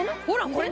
これ！